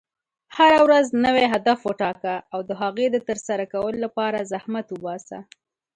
هره ورځ نوی هدف وټاکه، او د هغې د ترسره کولو لپاره زحمت وباسه.